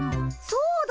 そうだ！